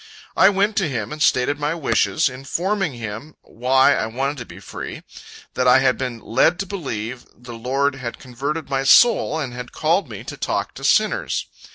I went to him, and stated my wishes, informing him why I wanted to be free that I had been led to believe the Lord had converted my soul, and had called me to talk to sinners.